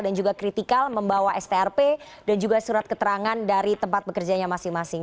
dan juga kritikal membawa strp dan juga surat keterangan dari tempat bekerjanya masing masing